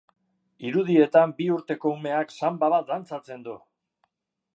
Irudietan bi urteko umeak sanba bat dantzatzen du.